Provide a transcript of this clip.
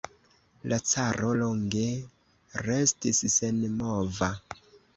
La caro longe restis senmova.